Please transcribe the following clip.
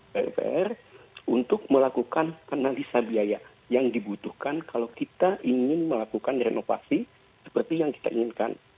pupr untuk melakukan analisa biaya yang dibutuhkan kalau kita ingin melakukan renovasi seperti yang kita inginkan